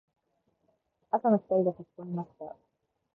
朝の光が差し込みました。